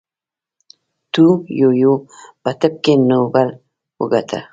تو یویو په طب کې نوبل وګاټه.